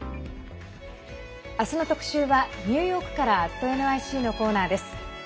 明日の特集はニューヨークから「＠ｎｙｃ」のコーナーです。